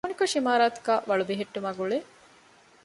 ކުނިކޮށި އިމާރާތުގައި ވަޅު ބެހެއްޓުމާގުޅޭ